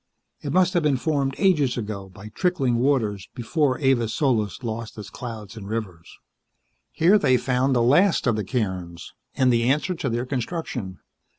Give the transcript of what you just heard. It must have been formed ages ago by trickling waters before Avis Solis lost its clouds and rivers. Here they found the last of the cairns, and the answer to their construction.